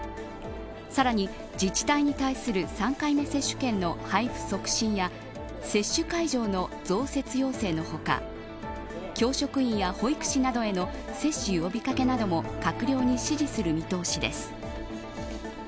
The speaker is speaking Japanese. さらに、自治体に対する３回目接種券の配布促進や接種会場の増設要請の他教職員や保育士などへの接種呼び掛けなども閣僚に指示する見通しです。